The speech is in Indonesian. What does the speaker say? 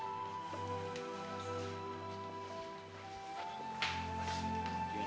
gimana kamu harus jalan dulu